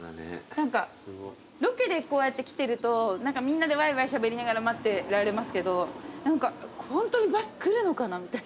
何かロケでこうやって来てるとみんなでわいわいしゃべりながら待ってられますけど何かホントにバス来るのかな？みたいな。